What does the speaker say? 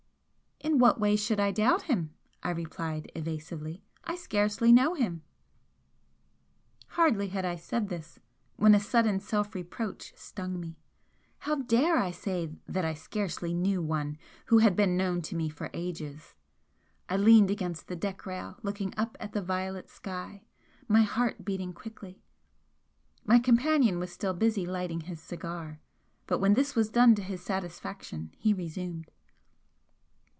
"In what way should I doubt him?" I replied, evasively "I scarcely know him!" Hardly had I said this when a sudden self reproach stung me. How dare I say that I scarcely knew one who had been known to me for ages? I leaned against the deck rail looking up at the violet sky, my heart beating quickly. My companion was still busy lighting his cigar, but when this was done to his satisfaction he resumed.